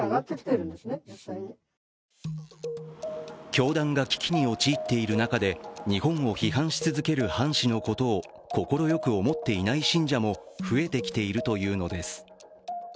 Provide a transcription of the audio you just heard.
教団が危機に陥っている中で日本を批判し続けるハン氏のことを快く思っていない信者も増えてきているというのです。